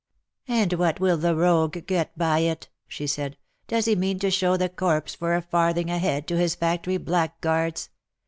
"And what will the rogue get by it?" she said. " Does he mean to show the corpse for a farthing a head to his factory black guards